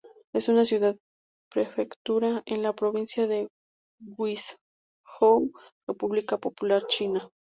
Es una Ciudad-prefectura en la provincia de Guizhou, República Popular China.